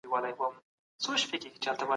که ته وخت نه لرې نو مطالعه مه کوه.